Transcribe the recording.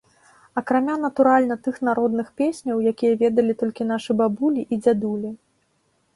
Акрамя, натуральна, тых народных песняў, якія ведалі толькі нашы бабулі і дзядулі.